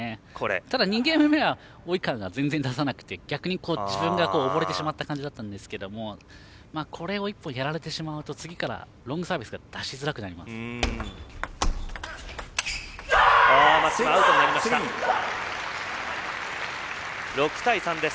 ただ、２ゲーム目は及川が全然、出さなくて逆に自分がおぼれてしまった感じだったんですけどこれを１本やられてしまうと次からロングサービスが出しづらくなります。